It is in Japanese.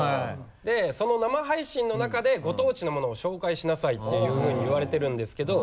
その生配信の中でご当地のものを紹介しなさいっていうふうに言われてるんですけど。